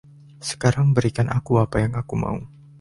Sekarang berikan aku apa yang aku mau.